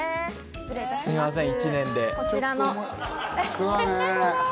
すいません、１年で。